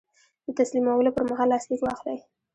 د تسلیمولو پر مهال لاسلیک واخلئ.